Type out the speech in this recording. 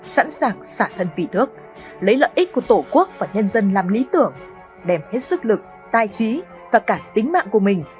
sẵn sàng xả thân vì nước lấy lợi ích của tổ quốc và nhân dân làm lý tưởng đem hết sức lực tài trí và cả tính mạng của mình